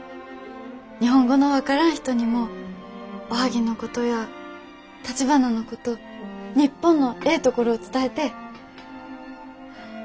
日本語の分からん人にもおはぎのことやたちばなのこと日本のええところを伝えてえ。